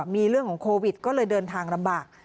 มีเรื่องของโควิดก็เลยเดินทางลำบาก